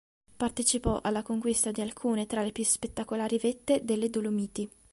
Partecipò alla conquista di alcune tra le più spettacolari vette delle Dolomiti.